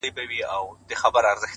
سیاه پوسي ده- افغانستان دی-